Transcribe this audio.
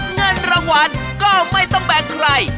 เงินรางวัลก็ไม่ต้องแบ่งใคร